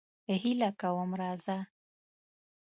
هیله کوم راځه.